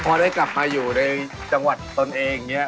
พอได้กลับมาอยู่ในจังหวัดตนเองอย่างนี้